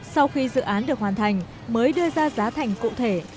sau khi dự án được hoàn thành mới đưa ra giá thành cụ thể